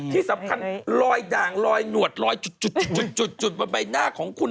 ที่สำคัญลอยด่างลอยหนวดลอยจุดบนใบหน้าของคุณ